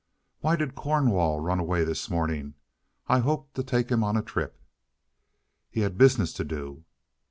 "Why did Cornwall run away this morning? I hoped to take him on a trip." "He had business to do."